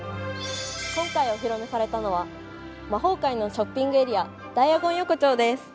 今回お披露目されたのは魔法界のショッピングエリアダイアゴン横丁です。